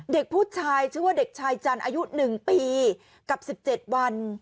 เด็กผู้ชายชื่อว่าเด็กชายจันทร์อายุ๑ปีกับ๑๗วัน